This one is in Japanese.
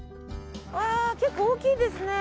わあ結構大きいですね。